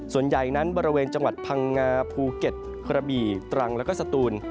ส่วนใหญ่นั้นบริเวณจังหวัดพังงาภูเก็ตกระบี่ตรังแล้วก็สตูน